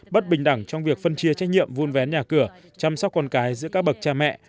bất bình đẳng trong việc phân chia trách nhiệm vun vén nhà cửa chăm sóc con cái giữa các bậc cha mẹ